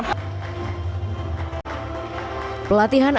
pelatihan aplikasi baktikominfo